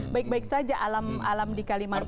baik baik saja alam alam di kalimantan